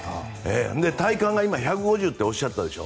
体感が今、１５０ｋｍとおっしゃったでしょ。